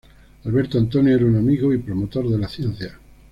Alberto Antonio era un amigo y promotor de las ciencias.